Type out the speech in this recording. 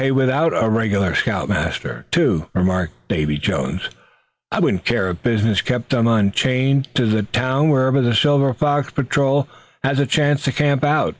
K. without a regular scout master, too," remarked Davy Jones. "I wouldn't care if business kept on chaining him to town whenever the Silver Fox Patrol has a chance to camp out.